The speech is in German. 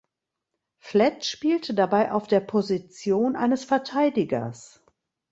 Flett spielte dabei auf der Position eines Verteidigers.